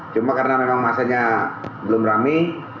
cuma karena memang masanya belum rame